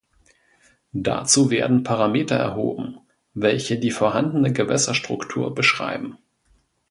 Dazu werden Parameter erhoben, welche die vorhandene Gewässerstruktur beschreiben.